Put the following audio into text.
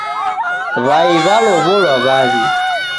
Wai walowolwa wawi